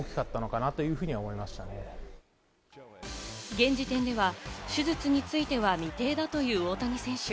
現時点では手術については未定だという大谷選手。